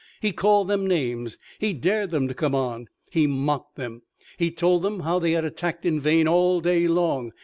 He called them names. He dared them to come on. He mocked them. He told them how they had attacked in vain all day long.